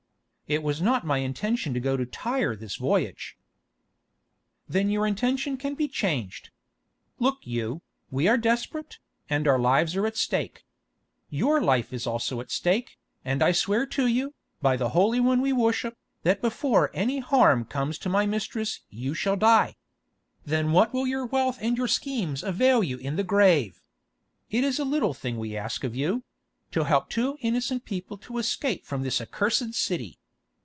"It was not my intention to go to Tyre this voyage." "Then your intention can be changed. Look you, we are desperate, and our lives are at stake. Your life is also at stake, and I swear to you, by the Holy One we worship, that before any harm comes to my mistress you shall die. Then what will your wealth and your schemes avail you in the grave? It is a little thing we ask of you—to help two innocent people to escape from this accursed city.